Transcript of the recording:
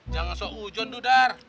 jangan sok ujon dudar